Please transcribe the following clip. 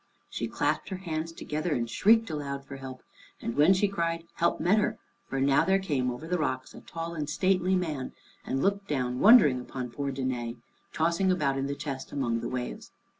She clasped her hands together and shrieked aloud for help. And when she cried, help met her, for now there came over the rocks a tall and stately man, and looked down wondering upon poor Danæ, tossing about in the chest among the waves.